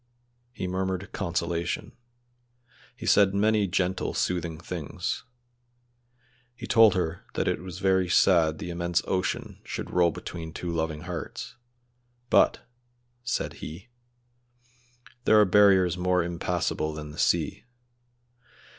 He murmured consolation. He said many gentle, soothing things. He told her that it was very sad the immense ocean should roll between two loving hearts, "but," said he, "there are barriers more impassable than the sea.